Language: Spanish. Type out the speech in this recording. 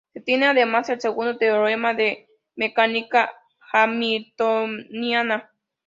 Se tiene además el segundo teorema de la mecánica hamiltoniana.